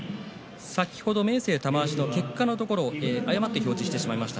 先ほど明生、玉鷲の結果のところ誤った表示がありました。